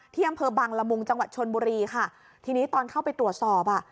ที่อำเภอบังละมุงจังหวัดชนบุรีค่ะทีนี้ตอนเข้าไปตรวจสอบอ่ะ